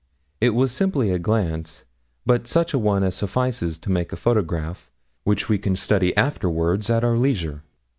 It was simply a glance, but such a one as suffices to make a photograph, which we can study afterwards, at our leisure.